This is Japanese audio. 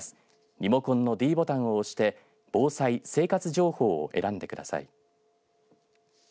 リモコンのｄボタンを押して防災・生活情報を選んでください。